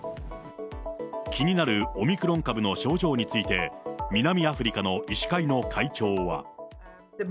気になるオミクロン株の症状について、南アフリカの医師会の会長は。